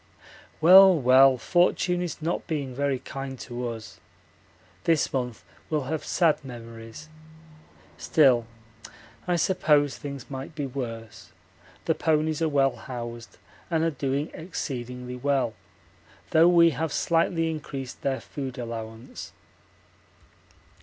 Well, well, fortune is not being very kind to us. This month will have sad memories. Still I suppose things might be worse; the ponies are well housed and are doing exceedingly well, though we have slightly increased their food allowance.